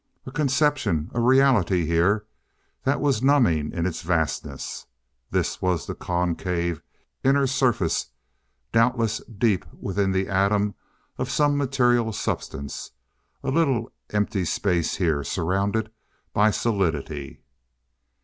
A conception a reality here that was numbing in its vastness. This was the concave, inner surface, doubtless deep within the atom of some material substance. A little empty Space here, surrounded by solidity.